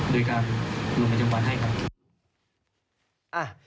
โดยการลงแจ้งบันเกี่ยวกัน